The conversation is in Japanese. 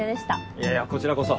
いやいやこちらこそ。